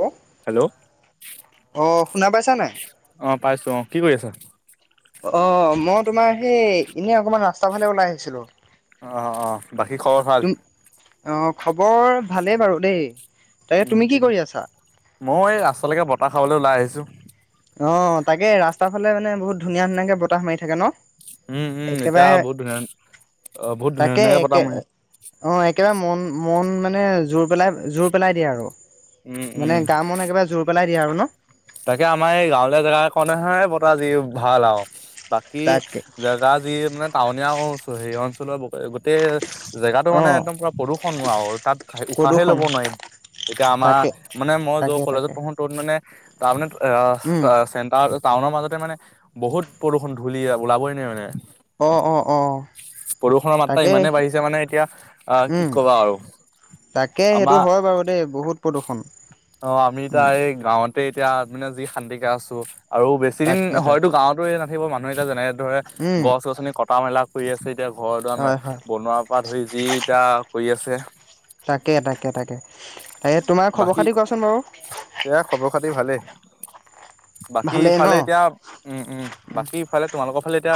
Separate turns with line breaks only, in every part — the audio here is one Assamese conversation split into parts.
অ
হেল্ল',
শুনা পাইছা নাই?
অ, ' পাইছো অ' কি কৰি আছা
অ' মই তোমাৰ সেই এনে অকমান ৰাস্তা ফালে ওলাই আহিছিলো
অ', অ'', বাকী খবৰ ভাল
তুম অ, ' খবৰ ভালেই বাৰু দেই তাকে
উম
তুমি কি
উম
কৰি আছা?
মই এই ৰাস্তালেকে বতাহ খাবলেকে ওলাই আহিছো।
অ', তাকে ৰাস্তাৰ ফালে মানে বহুত ধুনীয়া ধুনীয়াকে বতাহ মাৰি থাকে ন
উম, উম এতিয়া
একেবাৰে
বহুত ধুনীয়া, বহুত ধুনীয়া
তাকে
ধুনীয়াকে বতাহ
একে
মাৰে
অ', একেবাৰে মন, মন মানে
উম
মানে
উম
গা মন একেবাৰে জোৰ পেলাই দিয়ে আৰু ন
তাকে আমাৰ এই গাঁৱলীয়া জেগাকনহে বতাহ জি ভাল আৰু বাকী
তাকে
জেগা যি মানে টাউনীয়া হি অঞ্চল গোটেই জেগাতটো
অ
মানে একদম পুৰা প্ৰদূষণ হোৱা হ'ল
প্ৰদূষণ
তাত তেতিয়া আমাৰ
তাকে
মানে মই যত
তাকে
কলেজত
তাকে
পঢ়ো তত মানে তাৰমানে আ
উম
চেণ্টাৰত টাউনৰ মাজতে মানে বহুত প্ৰদূষণ ধূলি ওলাবই নোৱাৰি মানে
অ, ' অ, ' অ',।
প্ৰদূষণৰ মাত্ৰা
তাকে
ইমানেই বাঢ়িছে মানে এতিয়া আ কি
উম
কবা আৰু
তাকে সেইটো
আমাৰ
হয় বাৰু দেই বহুত প্ৰদূষণ
অ', আমি এতিয়া
উম
এই গাঁৱত আমি এতিয়া মানে যি শান্তিকে আছো আৰু বেছি দিন
তাকে
হয়তো
তাকে
গাঁৱতো এই নাথাকিব মানুহ এতিয়া যেনে দৰে
উম
গছ- গছনি কটা মেলা কৰি আছে এতিয়া ঘৰ দুৱাৰ
হয় হয়
বনোৱাৰ পৰা ধৰি যি এতিয়া কৰি আছে
তাকে, তাকে, তাকে। তাকে তোমাৰ খবৰ
বাকী
খাতি কোৱাচোন বাৰু
এয়া খবৰ খাতি ভালেই। বাকী
ভালেই ন
ইফালে এতিয়া উম, উম বাকী ইফালে তোমালোকৰ ফালে এতিয়া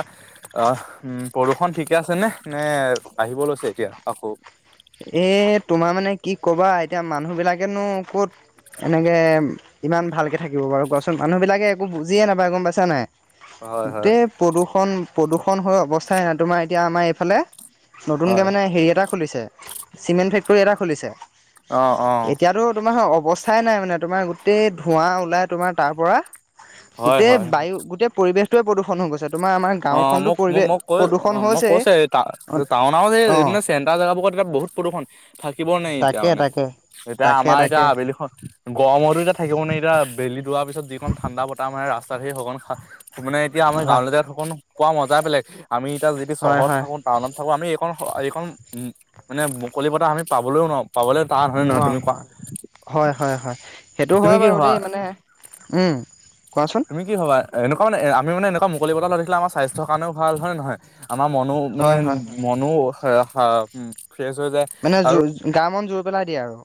আহ উ প্ৰদূষণ ঠিকে আছে নে, নে আহিব লৈছে এতিয়া আকৌ।
এ, তোমাৰ মানে কি কবা এতিয়া মানুহ বিলাকেনো ক'ত সেনেকে ইমান ভালকে থাকিব বাৰু কোৱাছোন মানুহবিলাকে একো বুজিয়ে নাপায় গম পাইছা নাই
হয় হয়
গোটেই প্ৰদূষণ প্ৰদূষণ হৈ অৱস্থাই নাই তোমাৰ এতিয়া আমাৰ এইফালে নতুনকে
হয়
মানে হেৰি এটা খুলিছে চিমেণ্ট ফেক্টৰী এটা খুলিছে
অ অ
এতিয়াতো তোমাৰ অ অৱস্থাই নাই মানে তোমাৰ গোটেই ধোঁৱা ওলাই তোমাৰ তাৰ পৰা
হয়
গোটেই
হয়
বায়ু গোটেই পৰিৱেশটোয়ে প্ৰদূষণ হৈ গৈছে তোমাৰ আমাৰ
অ, '
গাঁওখনতো
মোক মোক,
পৰিৱেশ
মোক কৈ অ,
প্ৰদূষণ
' মোক
হৈছেই
কৈছে ডাঙৰ, ডাঙৰ
অ
চেণ্টাৰ জেগাবোৰত বহুত প্ৰদূৰষণ থাকিব নাই এতিয়া
তাকে
মানে।
তাকে
এতিয়া
তাকে
আমাৰ এতিয়া
তাকে
আবেলিখন গৰমতো এতিয়া থাকিব নোৱাৰি এতিয়া বেলিত দোৱাৰ পিছত যিখন ঠাণ্ডা বতাহ মাৰে ৰাস্তাত সেই সঘন খ মানে এতিয়া আমাৰ
হয়
গাৱলৈ [unintelligible] পোৱা মজাই বেলেগ আমি এতিয়া যি টি
হয়
চহৰত
হয়
থাকো টাউনত থাকো আমি এইখন এইখন মানে মুকলি বতাহ আমি পাবলৈও নোৱাৰো পাবলৈ টান হয় নহয়
নোৱাৰ
তুমি কোৱা
নোৱাৰো হয় -হয়- হয় সেইটো
তুমি
হয়
কি
বাৰু
ভাবা
দেই মানে উম কোৱাচোন
তুমি কি ভাবা, এনেকুৱা মানে আমি এনেকুৱা মুকলি বতাহ লৈ থাকিলে আমাৰ স্বাস্থ্য কাৰণেও ভাল হয়নে নহয়? আমাৰ মনো মানে
হয় হয় হয়
মনো ফ্ৰেছ হৈ যায়
মানে জ
আৰু
গা মন জুৰ পেলাই দিয়ে আৰু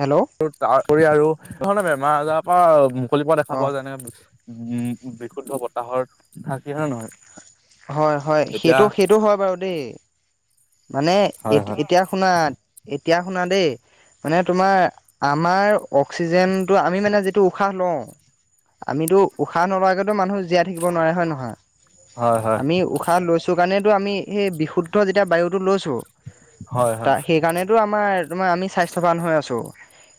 হেল্ল'
আৰু তাৰ উপৰি আৰু বিভিন্ন ধৰণৰ বেমাৰ আজাৰৰ পৰা মুকলি পৰা
অ
দেখা পাওঁ যেনে উম বিশুদ্ধ বতাহৰ থাকি‌ হয় নহয়
হয়- হয়
এতিয়া
সেইটো সেইটো হয় বাৰু দেই মানে এ
হয়, হয়,
এতিয়া শুনা এতিয়া শুনা দেই মানে তোমাৰ আমাৰ অক্সিজেনটো আমি মানে যিটো উশাহ লওঁ আমিতো উশাহ নোলোৱাকৈতো মানুহ জীয়াই থাকিব নোৱাৰে হয় নহয়
হয়, হয়,
আমি উশাহ লৈছো কাৰণেতো আমি সেই বিশুদ্ধ যেতিয়া বায়ু লৈছোঁ।
হয়, হয়,
সেইকাৰণেটো‌ আমাৰ আমাৰ আমি স্বাস্থ্যৱান হৈ আছোঁ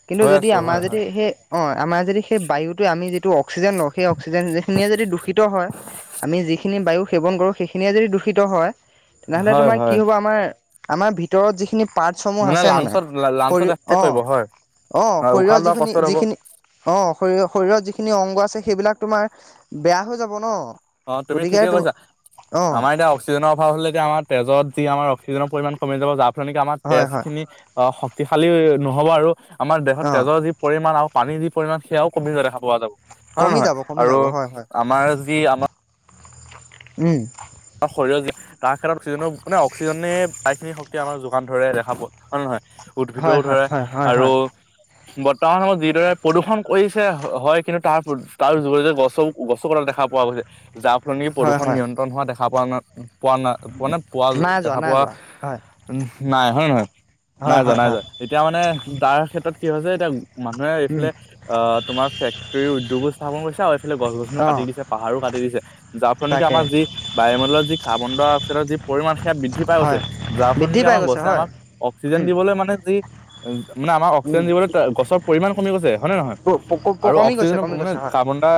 কিন্তু
হৈ
যদি
আছো
আমাৰ
হয়, হয়,
যদি সেই অ', আমাৰ যদি সেই বায়ুটোৱে আমি যিটো অক্সিজেন লওঁ সেই অক্সিজেন যিখিনিয়ে যদি দূষিত হয় আমি যিখিনি বায়ু সেৱন কৰোঁ সেইখিনিয়ে যদি দূষিত হয় তেনেহ'লে
হয়-
তোমাৰ কি
হয়
হ'ব আমাৰ আমাৰ ভিতৰত যিখিনি পাৰ্টচসমূহ আছে মানে
লাংচত লাংচত
শৰী
এফেক্ট কৰিব
অ',
হয়,
অ',
হয় উশাহ
শৰীৰৰ
লোৱা
যিখিনি
কষ্টত হ'ব।
যিখিনি অ', শৰ শৰীৰৰ যিখিনি অংগ আছে সেইবিলাক তোমাৰ বেয়া হৈ যাব ন
অ', তুমি
গতিকে
ঠিকে
তুম
কৈছা
অ
আমাৰ এতিয়া অক্সিজেনৰ অভাৱ হলে এতিয়া আমাৰ তেজত যি আমাৰ অক্সিজেনৰ পৰিমাণ কমি যাব যাৰ ফল নেকি আমাৰ
হয় হয়
তেজখিনি শক্তিশালী নহ'ব আৰু আমাৰ দেহত
অ
তেজৰ যি পৰিমাণ আৰু পানীৰ যি পৰিমাণ সেয়াও কমি যোৱা দেখা পোৱা যাব। হয়নে
কমি
নহয়
যাব কমি
আৰু
যাব হয় হয়
আমাৰ যি আমাৰ
উম
আমাৰ শৰীৰৰ তাৰ ক্ষেতত অক্সিজেনৰ মানে অক্সিজেনে প্ৰায়খিনি শক্তিয়ে আমাৰ যোগান ধৰে দেখা পোৱা হয়নে নহয়। উদ্ভিদেও
হয় হয়
ধৰে
হয় হয়
আৰু
হয়
বৰ্তমান সময়ত যিদৰে প্ৰদূষণ কৰিছে হয় কিন্তু তাৰ -তাৰ যোগেদি গছ গছ [unintelligible] দেখা পোৱা গৈছে যাৰ ফলনি
হয়
প্ৰদূষণ
হয়
নিয়ন্ত্ৰণ হোৱা দেখা পোৱা নাই পোৱা নাই পোৱানে পোৱা
নাই যোৱা
দেখা
নাই
পোৱা
যোৱা হয়
উফ নাই হয়নে নহয় নাই
হয়
যোৱা
হয়
নাই
হয়
যোৱা এতিয়া মানে তাৰ ক্ষেত্ৰত কি হৈছে এতিয়া মানুহে
উম
এইফালে অ', তোমাৰ ফেক্টৰী উদ্যোগো স্থাপন কৰিছে সেইফালে গছ- গছনিও কাটি
অঁ
দিছে পাহাৰো কাটি দিছে যাৰ ফলত নেকি
তাকে
আমাৰ যি বায়ুমণ্ডলত যি কাৰ্বন-ডাই-অক্সাইডৰ যি পৰিমাণ সেয়া বৃদ্ধি পাই গৈছে,
হয়
যাৰ ফলত
বৃদ্ধি
নেকি
পাই
আমাৰ
গৈছে
গছে
হয়
আমাক অক্সিজেন
উম
দিবলৈ মানে যি মানে আমাক
উম
অক্সিজেন দিবলৈ গছৰ পৰিমামান কমি গৈছে হয় নে নহয়? আৰু
কমি গৈছে
অক্সিজেনৰ
কমি
মানে
গৈছে হয়
কাৰ্বন -ডাই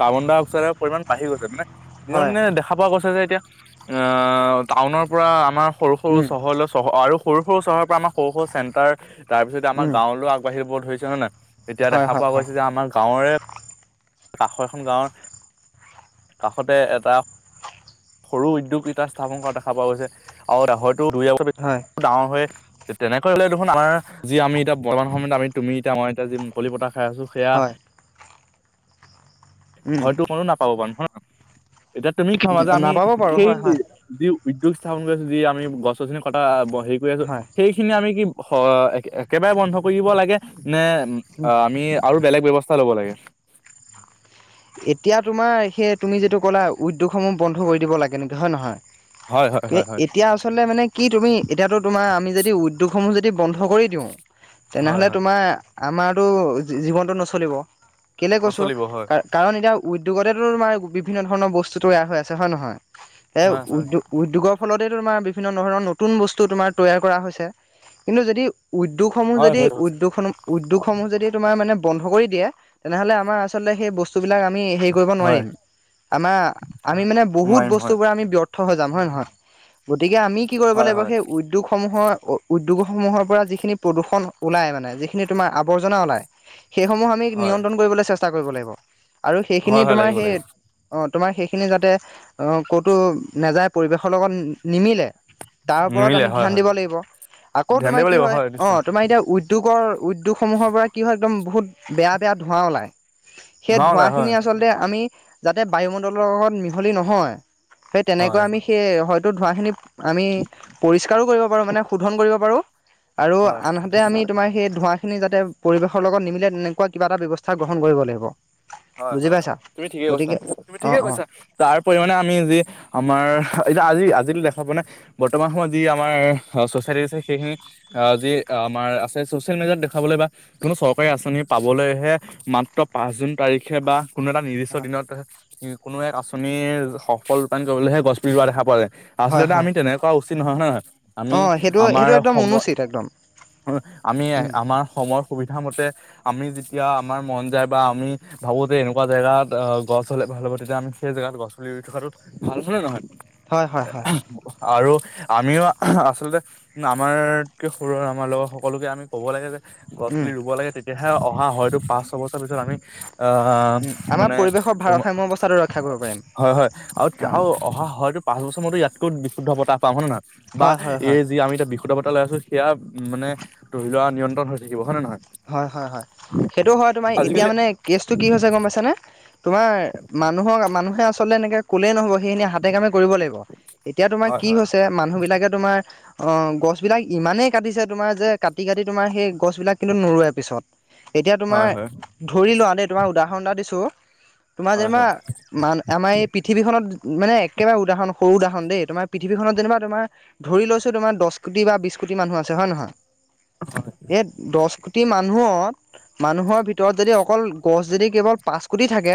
কাৰ্বন- ডাই কাৰ্বন-ডাই-অক্সাইডৰ পৰিমাণ বাঢ়ি গৈছে মানে দিনক
হয়
দিনে দেখা পোৱা গৈছে যে এতিয়া অ', টাউনৰ পৰা আমাৰ সৰু সৰু
উম
চহৰলৈ চ আৰু সৰু সৰু চহৰ পৰা আমাৰ সৰু সৰু চেন্টাৰ, তাৰ পিছতে আমাৰ
উম
গাঁৱলৈ আগবাঢ়িব ধৰিছে হয়নে এতিয়া
হয়
দেখা
হয়
পোৱা
হয়
গৈছে যে আমাৰ গাঁৱৰে কাষৰ এখন গাঁৱৰ কাষতে এটা সৰু উদ্যোগগিটা স্থাপন কৰা দেখা পোৱা গৈছে আৰু ডাঙৰ দুই এবিধ
হয়
ডাঙৰ হৈ তেনেকৈ হ'লে দেখোন আমাৰ যি আমি এতিয়া বৰ্তমান সময়ত আমি তুমি এতিয়া মই এতিয়া যি মুকলি বতাহ খাই আছোঁ সেয়া
হয় উম
হয়তো ময়ো নাপাব পাৰো হয়নে এতিয়া তুমি ভাবা যে আমি
নাপাব বাৰু
সেই
হয় হয়
দি উদ্যোগ স্থাপন কৰি আছো যি আমি গছ-গছনি চিনি কটা হেৰি কৰি আছো
হয়
সেইখিনি আমি কি অ একেবাৰে বন্ধ কৰিব লাগে নে
উম
আমি আৰু বেলেগ ব্যৱস্থা ল'ব লাগে
এতিয়া তোমাৰ সেই তুমি যিটো ক'লা উদ্যোগসমূহ বন্ধ কৰি দিব লাগে নেকি হয় নহয়
হয় হয়
কি
হয় হয়।
এতিয়া আচলতে মানে কি তুমি এতিয়াতটো তোমাৰ আমি যদি উদ্যোগসমূহ যদি যদি বন্ধ কৰি দিওঁ
হয়
তেনেহ'লে
হয়
তোমাৰ আমাৰতো জীৱনটো নচলিব কেলে কৈছো
নচলিব হয়
কাৰণ এতিয়া উদ্যোগতেতো তোমাৰ বিভিন্ন ধৰণৰ বস্তু তৈয়াৰ হৈ আছে হয় নহয় এ
হয় হয়
উদ্য উদ্যোগক ফলতে তোমাৰ বিভিন্ন ধৰণৰ নতুন বস্তু তোমাৰ তৈয়াৰ কৰা হৈছে কিন্তু যদি উদ্যোগসমূহ
হয়
যদি
হয়
উদ্যোগসমূহ উদ্যোগসমূহ যদি তোমাৰ মানে বন্ধ কৰি দিয়ে তেনেহলে আমাৰ আচলতে সেই বসু ব অ হৈ যাম
হয় নোৱাৰিম হয়
হয়ে নহয় গতিকে আমি কি কৰিব
হয়
লাগিব
হয়
সেই উদ্যোগসমূহৰ উদ্যোগসমূহৰ পৰা যিখিনি প্ৰদূষণ ওলাই মানে যিখিনি তোমাৰ আৱৰ্জনা ওলায় সেইসমূহ আমি
হয়
নিয়ন্ত্ৰণ কৰিবলৈ চেষ্টা কৰিব লাগিব আৰু সেইখিনি
হয় হয়
তোমাৰ
লাগিব
সেই
লাগিব
অ তোমাৰ সেইখিনি যাতে ক'তো নাযায় পৰিৱেশৰ লগত নিমিলে তাৰ ওপৰত
নিমিলে
আমি
হয়
ধ্যান
হয়
দিব লাগিব আকৌ
ধ্যান
তোমাৰ
দিব
কি
লাগিব
হয় অ
নিশ্চয়
তোমাৰ এতিয়া উদ্যোগৰ উদ্যোগসমূহৰ পৰা কি হয় একদম বহুত বেয়া বেয়া ধোঁৱা ওলায় সেই
ধোঁৱা ওলাই
ধোঁৱাখিনি
হয়
আচলতে আমি যাতে বায়ুমণ্ডলৰ লগত মিহলি নহয় সেই তেনেকুৱা
হয়
আমি সেই হয় টো ধোৱ খিনি আমি পৰিষ্কাৰো কৰিব পাৰো মানে শোধন কৰিব পাৰো আৰু
হয়
আনহাতে আমি তোমাৰ সেই ধোঁৱা খিনি যাতে পৰিৱেশৰ লগত নিমিলে তেনেকুৱা কিবা এটা ব্যৱস্থা গ্ৰহণ কৰিব লাগিব
হয়
বুজি
হয়
পাইছা
হয় তুমি ঠিকেই কৈছা
গতিকে
তুমি
অঁ
ঠিকে
অঁ
কৈছা তাৰ পৰিমমানে আমি যি আমাৰ এতিয়া আজি যি দেখা পোৱা নাই বৰ্তমান সময়ত যি আমাৰ চচাইটি আছে সেইখিনি যি আমাৰ আছে চচিয়েল মিডিয়াত দেখাবলৈ বা কোনো চৰকাৰী আঁচনি পাবলৈহে মাত্ৰ পাঁচজন তাৰিখে বা কোনো এটা নিৰ্দিষ্ট দিনত য কোনো এক আঁচনিৰ সফল ৰূপায়ণ কৰিবলৈহে গছপুলি ৰোৱা দেখা পোৱা যায়
হয়
আচলতে
হয়
আমি তেনেকুৱা উচিত নহয় হয়ে নহয় আমি
অঁ সেইটো
আমাৰ
সেইটো একদম
সময়
অনুচিত একদম
আমি
উম
আমাৰ সমৰ সুবিধামতে আমি যেতিয়া আমাৰ মন যায় বা আমি ভাবোতে এনেকা জাগাত গছ হলে ভাল হ'ব তেতিয়া আমি সেই জেগাত গছ চুলিি থকাটোো ভাল আ নে নহয়
হয় হয় হয়
আৰু আমিও আচলতে আমাৰকে সৰু আমাৰ লগৰ সকলোকে আমি কব লাগে যে গছ
উম
পুলি ৰুব লাগে তেতিয়াহে অহা হয়তো পাঁচ ছয় বছৰ পিছত আমি অ
উম আমাৰ
মানে
পৰিৱেশৰ
তমাৰ
ভাৰসাম্য অৱস্থাটো ৰক্ষা কৰিব পাৰিম
হয় হয় আৰু
অঁ
আৰু অহা হয়তো প অসমত ইয়াতকৈ বিশুদ্ধ বতাহ পা হয় নে নহয় বা
হয় হয় হয়
এই যি আমি এটা বিশুদ্ধ বতা লৈ আছো সেয়া উ মানে ধৰি লোৱা নিয়ন্ত্ৰণ হৈ থাকিব হয় ন নে নহয়
হয় হয় হয় সেইটো হয় তোমাৰ এতিয়া
আজিকালি
মানে কেচটো কি হৈছে গম পাইছ নে তোমাৰ মানুহক মানুহে আচলতে এনেকে কলেই নহব সেইখিনি হাতে কামে কৰিব লাগিব এতিয়া তোমাৰ
হয়
কি
হয়
হৈছে মানুহ বিলাকে তোমাৰ অ গছ বিিলাক ইমানেই কাটিছে তোমাৰ যে কাটি কাটি তোমাৰ সেই গছ বিিলাক কিন্তু নোৰোৱে পিছত এতিয়া তোমাৰ
হয় হয়
ধৰি লোৱা দেই তোমাৰ উদাহৰণ এটা দিছো তোমাৰ যেনিবা
হয়
মান আমাৰ এই পৃথিৱীখনত মানে একেবাৰে উদাহৰণ সৰু দাহখন দেই তোমাৰ পৃথিৱীখনত যেনিবা তোমাৰ ধৰি লৈছো তোমাৰ দহ কোটি বা বিশ কোটি মানুহ আছে হয় নহয় এ দহ মান মানুহৰ ভিতৰত যদি অকল গছ যদি কেৱল পচ কোি থাকে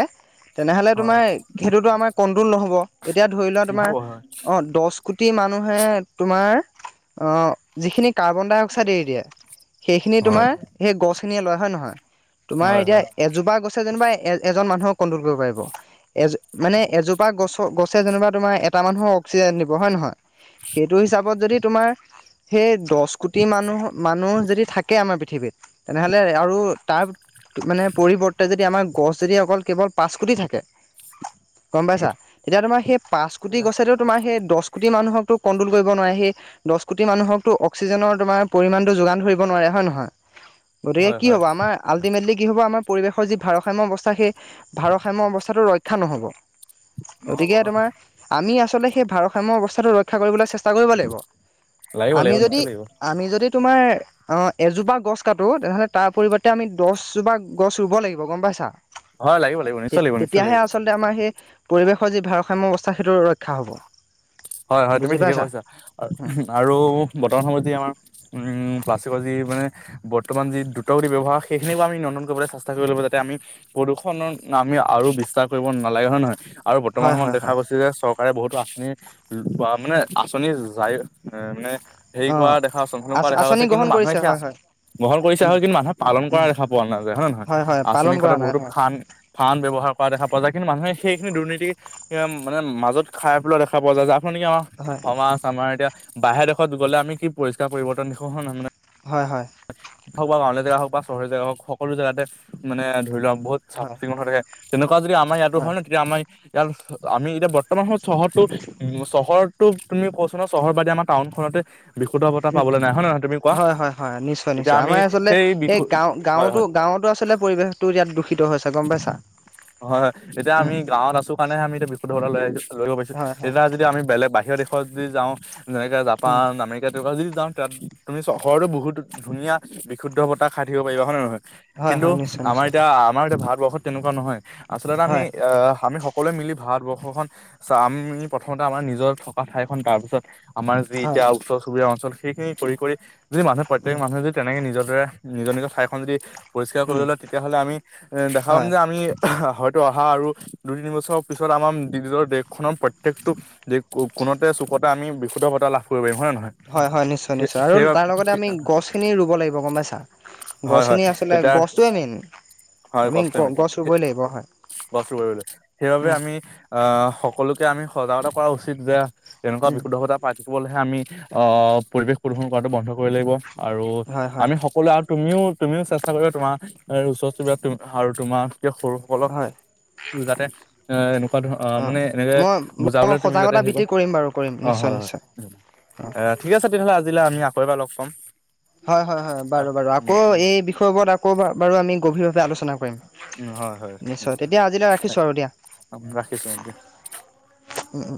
তেনেহ'লে
হয় হয় হয়
তোমাৰ সেইটোতো আমাৰ কণ্ট্ৰল নহ'ব এতিয়া ধৰি লোৱা তোমাৰ
নহ'ব হয়
অ দহ কোটি মান মানে তোমাৰ অ যিখিনি কাৰ্বন ডাই অক্সাইড এৰি দিয়া সেইখিনি
হয়
তোমাৰ গছ খিনিয়ে লয় হয় নহয় তোমাৰ
হয়
এতিয়া
হয়
এজোপা গছে যেনিবা এজন মানুহক [unintelligible] ি য ত দহ কোটি মানুহ মানুহ যদি থাকে আমাৰ পৃথিৱীত তেনেহ'লে আৰু তাৰ মানে পৰিৱৰ্তে যদি আমাৰ গছ যদি অকল কেৱল পাঁচ কোটি থাকে গম পাইছা তেতিয়া তোমাৰ সেই পাঁচ কোটি
এয়া
গছে তোমাৰ সেই দহ কোটি মানুহকো কণ্ট্ৰল কৰিব নোৱাৰে সেই দহ কোটি মানুহকতো অক্সিজেনৰ তোমাৰ পৰিমাণটো যোগান ধৰিব নোৱাৰে হয় নহয়
হয়
কি
হয়
হ'ব আাৰ আলদি মেদলি কি হ'ব আমাৰ পৰিৱেশৰ যি ভাৰসাম্যয় অৱস্থা সেই ভাৰসাম্য অৱস্থাটো ৰক্ষা নহ'ব
নহ'ব
গতিকে
হয়
তোমাৰ আমি আচলতে সেই ভাৰসাম্য অৱস্থাটো ৰক্ষা কৰিবলৈ চেষ্টা টা কৰিব লাগিব
লাগিব লাগিব নিশ্চয় লাগিব
গছ কাটো তেনেহ'লে তাৰ পৰিৱৰ্তে আমি দছজোপা গছ ৰুব লাগিব গম পাইছা
হয় লাগিব লাগিব নিশ্চয় লাগিব নিশ্চয়
তেতিয়াহে
লাগিব
আচলতে আমাৰ সেই পৰিৱেশ যি ভাৰসাম্য অৱস্থা সেইটো ৰক্ষা হ'ব
হয় হয় তুমি
বুজি
ঠিকে
পাইছা
কৈছা আৰু বৰ্তমান সময়ত যি আমাৰ উম প্লাষ্টিকৰ যি মানে বৰ্তমান যি দ্ৰুতগতি ব্যৱহাৰ সেইখিনিকো আমি নিয়ন্ত্ৰণ কৰিবলৈ চেষ্টা কৰি লব যাতে আমি প্ৰদূষণৰ আমি আৰু বিশ্বাস কৰিব নালাগে হয় নে নহয় আৰু বৰ্তমান
হয়
সময়ত
হয়
দেখা
হয়
গৈছে যে চৰকাৰে বহুতো আঁচনি বা মানে আঁচনি যায় এ মানে হেৰি কৰা
অ'
দেখা আ হৈছে মুহন কৰা দেখা
আঁচনি
গছে কিন্তু
গ্ৰহণ
মানুহে
কৰিছে
সেয়া
হয়
আছে
হয়।
বল কৰিছে
উম
হয় কিন্তু মানুহে পালন কৰা
উম
দেখা পোৱা নাযায় হয় নে নহয়
হয় পালন
আঁচনিৰ ক্ষেত্ৰ
কৰা নাই
বহুতো
হয়
ফান ফান ব্যৱস্থ কৰা দো যায় কিন্তু সেইখিনি দুৰ্নীতি মানে মাজত খাই পেলোৱা দেখা পোৱা যায় যাৰ ফ নেকি আমাৰ
হয়
সমাজ আমাৰ এতিয়া বাহিৰৰ দেশত গ'লে আমি কি পৰিষ্কাৰ পৰিৱৰ্তন দেখো হ নাৰানে
হয় হয়
হওক বা গাঁৱৰ জোগা হওক বা চহৰ জেগা হওক সকলো জেগাতে মানে ধৰি লোৱাক বহুত চাফ
হয়
চিকুণ হৈ থাকে তেনেকুৱা যদি আমাৰ ইয়াতো হয় ন তেতিয়া আমাৰ ইয়াৰ আমি এতিয়া বৰ্তমান সময়ত চহৰৰতটো উ চহৰৰতো তুমি কছ ন চহৰ বাদে আমাৰ টাউনখনতে বিশুদ্ধ বতা
উম,
পাবলৈ নাই হয় ন ন নহয় তুমি কোৱা
হয়, হয়, হয়, নিশ্চয়
এতিয়া
নিশ্চয়
আমি
আমাৰ আচলতে
সেই
এই
বিশু
গাঁও
হয় হয়
গাঁৱতো গাঁৱতো আল পৰিৱেশতো ইয়াত দূষিত হৈছে গম পাইছা
হয় হয় এতিয়া
উম,
আমি গাঁৱত আছো কাৰণে আমি এতিয়া বিশুদ্ধৱতা লৈ আহছো লৈব পাৰছো
হয়, হয়,
এতিয়া যদি আমি বেলেগ বাহিৰৰ দেশত যদি যাওঁ যেনেকৈ
উম,
জাপান আমেৰিকা তেুৱ যদি যাওঁ তাত তুমি চহৰতো বহুত ধুনীয়া বিশুদ্ধ বতাহ খাই থাকিব পাৰিবা হয় নে নহয়
হয়,
কিন্তু
হয়, নিশ্চয়,
আমাৰ
নিশ্চয়,
এতিয়া আমাৰ এতিয়া ভাল ভাৰবৰত তেনেকুৱা নহয় আচলতে আমি
হয়,
আহ আমি সকলোৱে মিলি ভাত ব খ চ আমি প্ৰথমতে আমাৰ নিজৰ থকা ঠাইখন তাৰপিছত আমাৰ যি
হয়,
এতিয়া ওচৰ চুবুৰীয়া অঞ্চল সেইখিনি কৰি যদি মানুহ প্ৰত্যেক
উম,
মানুহে যদি তেনেকে নিজৰ দৰে নিজৰ নিজৰ ঠাইখন যদি পৰিষ্কাৰ কৰিব
উম,
ললে তেতিয়াহ'লে আমি দেখা পাম
হয়,
যে আমি হয়তো অহা আৰু দুই তিনি বছৰ পিছত আমাৰ নিজৰ দেশখনৰ প্ৰত্যেকটো দেশ ফোনতে চুকত আমি বিশুদ্ধত লাভ কৰিব পাৰিম হয় নে নহয়?
হয় হয় নিশ্চয় নিশ্চয় আৰু
সেই
তাৰ লগতে আমি গছখিনি ৰুব লাগিব গম পাইছা
হয় হয়
গছখিনি আচলতে
এতিয়া
গছটোৱে নিন
হয় কষ্ট মে কষ্ট কৰিব সেইবাবে
উম,
আমি আহ সকলোকে আমি সজাগতা কৰা উচিত যে এনেকুৱা
উম,
বিশুধকতা পাতি শিকিবলৈহে আমি আহ পৰিৱেশ প্ৰদূষন কৰাতো বন্ধ কৰিব লাগিব আৰু
হয়, হয়,
আমি সকলোৱ তুমিও তুমিও চেষ্টা কৰিবা তোমাৰ এ ওচৰ চুবুৰীয়াত আৰু তোমাৰ ক সৰুসকলক
হয়,
যাতে এ এনেকুৱা ধৰ অ মানে এনেকে
মই মই
বুজাবলে তুমি যাতে
সজাগতা
হে
বৃদ্ধি
কৰ
কৰিম বাৰু কৰিম
অ
নিশ্চয়,
হয় হয়
নিশ্চয়।
হয় ঠিক আছে তেতিয়াহ'লে আজিলৈ আমি আকৌ এবাৰ লগ পাম
হয় হয় হয় বাৰু বাৰু
উম
আকৌ
উম
এই বিষয়বোৰত আকৌ বাৰু আমি গভীৰভাৱে আলোচনা কৰিম
উ হয় হয় নিশ্চয়
তেতিয়া আজিলৈ ৰাখিছোঁ আৰু
ৰাখিছোক
উম উম